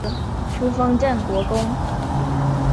初封镇国公。